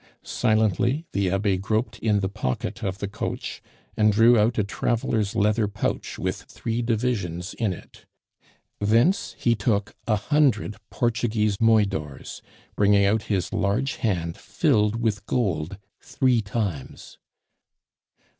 Silently the Abbe groped in the pocket of the coach, and drew out a traveler's leather pouch with three divisions in it; thence he took a hundred Portuguese moidores, bringing out his large hand filled with gold three times.